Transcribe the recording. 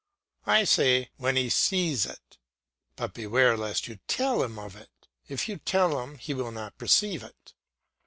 I say, "When he sees it," but beware lest you tell him of it; if you tell him he will not perceive it.